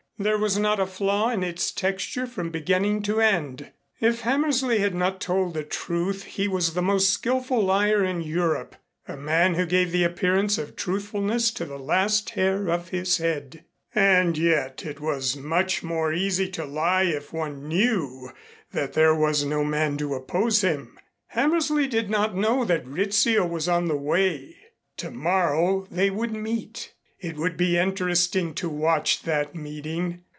There was not a flaw in its texture from beginning to end. If Hammersley had not told the truth he was the most skillful liar in Europe, a man who gave the appearance of truthfulness to the last hair of his head. And yet it was much more easy to lie if one knew that there was no man to oppose him. Hammersley did not know that Rizzio was on the way. Tomorrow they would meet. It would be interesting to watch that meeting.